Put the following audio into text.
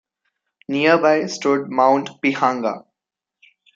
Nearby stood Mount Pihanga.